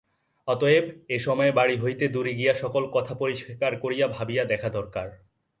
অতএব এ সময়ে বাড়ি হইতে দূরে গিয়া সকল কথা পরিষ্কার করিয়া ভাবিয়া দেখা দরকার।